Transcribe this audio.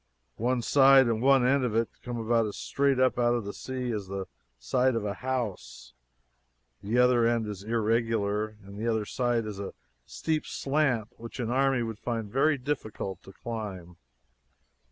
One side and one end of it come about as straight up out of the sea as the side of a house, the other end is irregular and the other side is a steep slant which an army would find very difficult to climb.